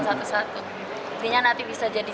satu satu intinya nanti bisa jadi